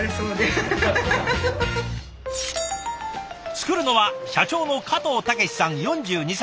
作るのは社長の加藤岳史さん４２歳。